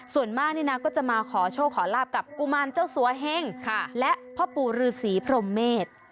ส่วนมากนี่นะก็จะมาขอโชคขอลาบกับกุมารเจ้าสัวเฮงและพ่อปู่ฤษีพรมเมษ